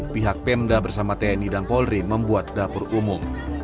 pihak pemda bersama tni dan polri membuat dapur umum